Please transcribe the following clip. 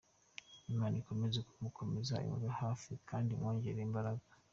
Imana ikomeze kumukomeze imube hafi kd imwongerere imbaraga.